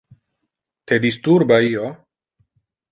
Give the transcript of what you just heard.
Te disturba io?